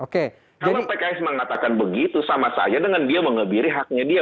kalau pks mengatakan begitu sama saja dengan dia mengebiri haknya dia